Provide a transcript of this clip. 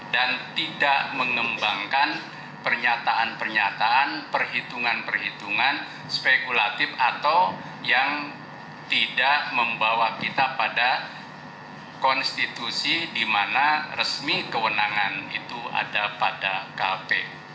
dan tidak mengembangkan pernyataan pernyataan perhitungan perhitungan spekulatif atau yang tidak membawa kita pada konstitusi di mana resmi kewenangan itu ada pada kp